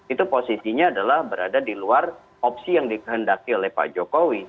itu posisinya adalah berada di luar opsi yang dikehendaki oleh pak jokowi